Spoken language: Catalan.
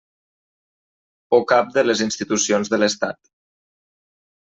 O cap de les institucions de l'Estat.